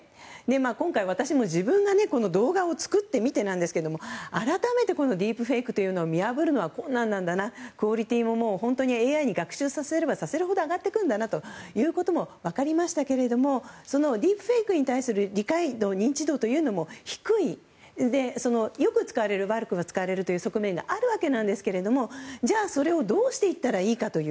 今回、私も自分が動画を作ってみてなんですが改めて、ディープフェイクというのを見破るのは困難なんだなクオリティーもＡＩに学習させればさせるほど上がっていくんだなということも分かりましたけれどもそのディープフェイクに対する理解度、認知度も低いためよく使われる側面があるわけですけれどもじゃあ、それをどうしていったらいいかという。